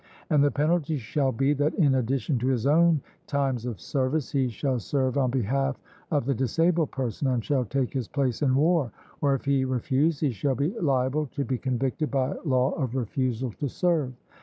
And the penalty shall be, that in addition to his own times of service, he shall serve on behalf of the disabled person, and shall take his place in war; or, if he refuse, he shall be liable to be convicted by law of refusal to serve.